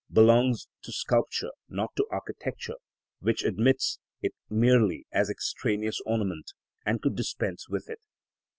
belongs to sculpture, not to architecture, which admits it merely as extraneous ornament, and could dispense with it.